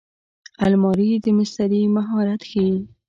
الماري د مستري مهارت ښيي